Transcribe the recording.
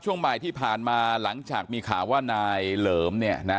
ช่วงบ่ายที่ผ่านมาหลังจากมีข่าวว่านายเหลิมเนี่ยนะ